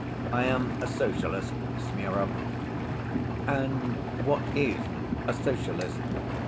I am a Socialist, Smurov." "And what is a Socialist?"